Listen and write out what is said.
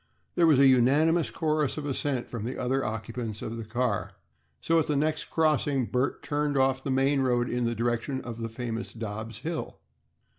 There was a unanimous chorus of assent from the other occupants of the car, so at the next crossing Bert turned off the main road in the direction of the famous Dobb's hill.